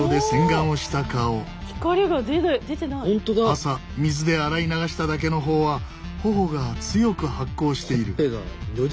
朝水で洗い流しただけの方は頬が強く発光している。